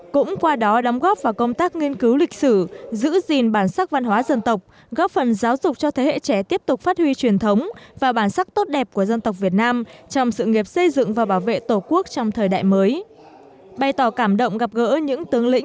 cũng qua đó đóng góp vào công tác nghiên cứu lịch sử giữ gìn bản sắc văn hóa dân tộc góp phần giáo dục cho thế hệ trẻ tiếp tục phát huy truyền thống và bản sắc tốt đẹp của dân tộc việt nam trong sự nghiệp xây dựng và bảo vệ tổ quốc trong thời đại mới